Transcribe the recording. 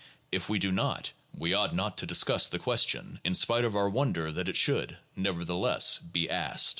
If we do not, we ought not to discuss the question, in spite of our wonder that it should, nevertheless, be asked.